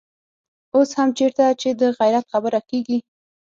اوس هم چېرته چې د غيرت خبره کېږي.